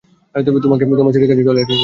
তোমাকে তোমার সিটের কাছের টয়লেটে নিয়ে যাব।